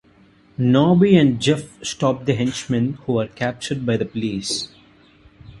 Norby and Jeff stop the henchmen who are captured by the police.